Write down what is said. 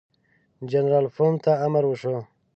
جنرال پوفم ته امر وشو.